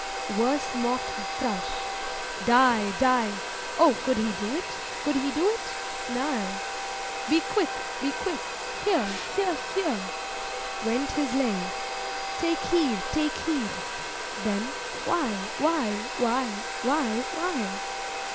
Worse mock'd the Thrush, 'Die! die! Oh, could he do it? could he do it? Nay! Be quick! be quick! Here, here, here!' (went his lay.) 'Take heed! take heed!' then 'Why? why? why? why? why?